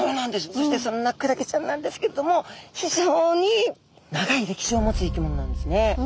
そしてそんなクラゲちゃんなんですけれども非常に長い歴史を持つ生き物なんですね。